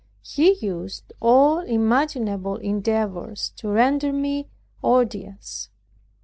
He used all imaginable endeavors to render me odious.